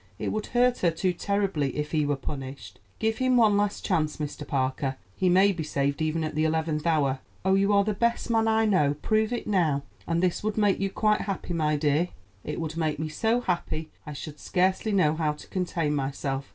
It would hurt her too terribly if he were punished. Give him one last chance, Mr. Parker; he may be saved even at the eleventh hour. Oh, you are the best man I know; prove it now." "And this would make you quite happy, my dear?" "It would make me so happy I should scarcely know how to contain myself.